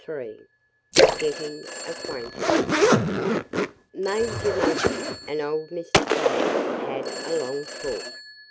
III Getting Acquainted Major Monkey and old Mr. Crow had a long talk.